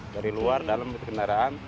dari luar dalam kendaraan